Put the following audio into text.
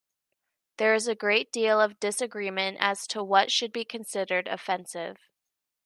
There is a great deal of disagreement as to what should be considered offensive.